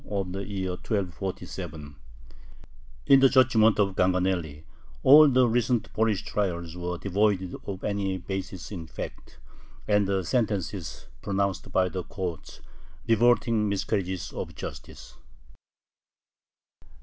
of the year 1247. In the judgment of Ganganelli all the recent Polish trials were devoid of any basis in fact, and the sentences pronounced by the courts revolting miscarriages of justice.